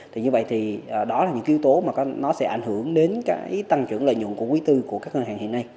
thì như vậy thì đó là những yếu tố mà nó sẽ ảnh hưởng đến cái tăng trưởng lợi nhuận của quý tư của các ngân hàng hiện nay